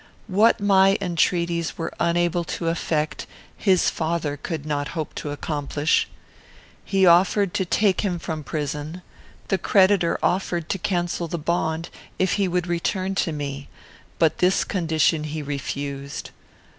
"What my entreaties were unable to effect, his father could not hope to accomplish. He offered to take him from prison; the creditor offered to cancel the bond, if he would return to me; but this condition he refused.